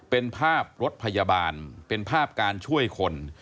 เป็นภาพรถพยาบาลเป็นภาพการช่วยคน